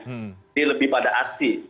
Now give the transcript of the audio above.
jadi lebih pada aksi